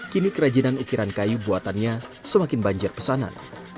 kini kerajinan ukiran kayu buatannya semakin banjir pesanan